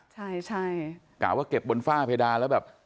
ใช่ใช่กะว่าเก็บบนฝ้าเพดานแล้วแบบ